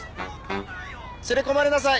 連れ込まれなさい！